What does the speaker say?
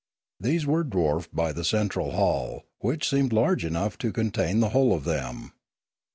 These were dwarfed by the central hall, which seemed large enough to contain the whole of them.